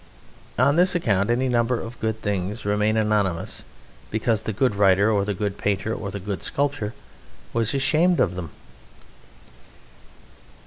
On this account any number of good things remain anonymous, because the good writer or the good painter or the good sculptor was ashamed of them.